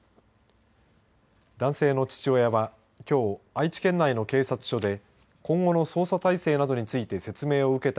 男性の父親はきょう、愛知県内の警察署で今後の捜査体制などについて説明を受けた